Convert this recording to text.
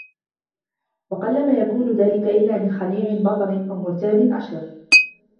وَقَلَّمَا يَكُونُ ذَلِكَ إلَّا مِنْ خَلِيعٍ بَطِرٍ أَوْ مُرْتَابٍ أَشِرٍ